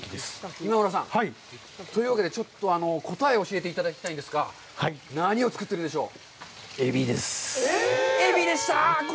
今村さん、というわけでちょっと答えを教えていただきたいんですが、何を作ってるんでしょう。